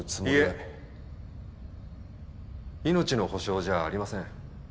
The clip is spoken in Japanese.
いえ命の保証じゃありません。